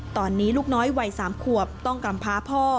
ตอนนี้ลูกน้อยวัย๓ขวบต้องกำพาพ่อ